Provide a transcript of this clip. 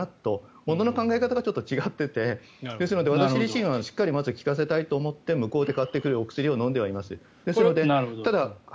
物の考え方がちょっと違っててですので私自身はしっかり効かせたいと思って向こうで買ってくるお薬を飲んではいます。